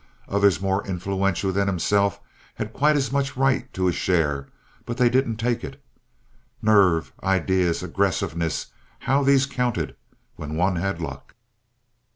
Others more influential than himself had quite as much right to a share, but they didn't take it. Nerve, ideas, aggressiveness, how these counted when one had luck!